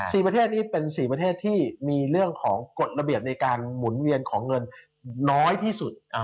ประเทศนี้เป็นสี่ประเทศที่มีเรื่องของกฎระเบียบในการหมุนเวียนของเงินน้อยที่สุด